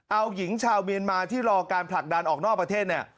เอาหญิงชาวเมียนมาที่รอการผลักดันออกนอกประเทศเนี่ย